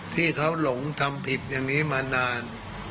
ที่เขาหลงทำผิดอย่างนี้มานาน